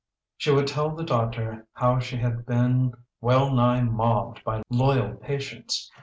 She would tell the doctor how she had been well nigh mobbed by loyal patients.